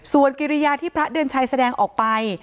ส่วนกิริยาที่พระเดือนชัยแสดงออกไป